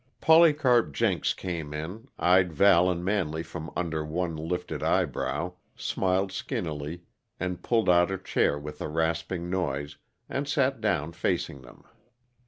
Polycarp Jenks came in, eyed Val and Manley from under one lifted, eyebrow, smiled skinnily, and pulled out a chair with a rasping noise, and sat down facing them.